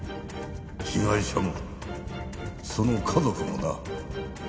被害者もその家族もな。